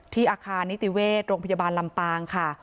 อาคารนิติเวชโรงพยาบาลลำปางค่ะ